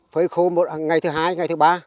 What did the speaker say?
phơi khô ngày thứ hai ngày thứ ba